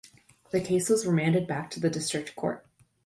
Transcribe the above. The case was remanded back to the district court.